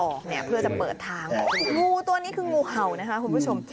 ออกเนี่ยเพื่อจะเปิดทางออกงูตัวนี้คืองูเห่านะคะคุณผู้ชม